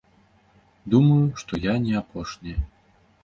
Думаю, што я не апошняя.